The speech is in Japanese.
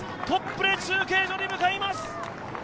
トップで中継所に向かいます。